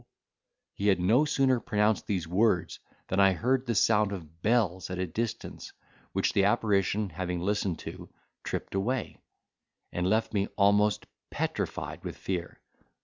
He had no sooner pronounced these words than I heard the sound of the bells at a distance; which the apparition, having listened to, tripped away, and left me almost petrified with fear.